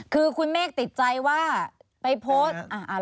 คือคุณเมฆติดใจว่าไปโพสต์